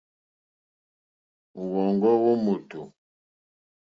Wɔ̌ŋɡɔ́ wó mòtò.